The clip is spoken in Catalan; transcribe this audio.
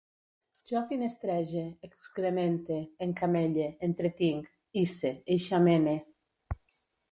Jo finestrege, excremente, encamelle, entretinc, hisse, eixamene